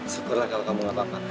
syukurlah kalau kamu gak apa apa